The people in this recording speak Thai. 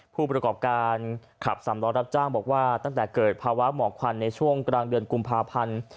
ผู้ประกอบการขับสำล้อรับจ้างบอกว่าตั้งแต่เกิดภาวะหมอกควันในช่วงกลางเดือนกุมภาพันธ์